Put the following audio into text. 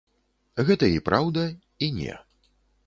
Гэта і праўда, і не.